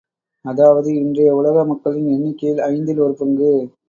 அதாவது, இன்றைய உலக மக்களின் எண்ணிக்கையில் ஐந்தில் ஒரு பங்கு.